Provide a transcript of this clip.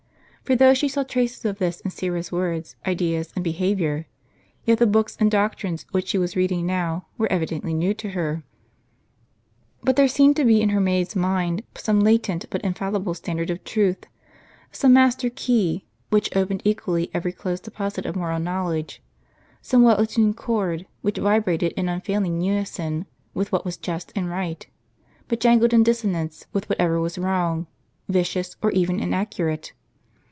For though she saw traces of this in Syra's words, ideas, and behavior, yet the books and doctrines which she was reading now, were evidently new to her. But there seemed to be in her maid's mind some latent but infallible standard of truth, some master key, which opened equally every closed deposit of moral knowledge, some well attuned chord, which vibrated in unfailing unison with what was just and right, but jangled in dir dissonance with whatever was wrong, vicious, or even inac curate.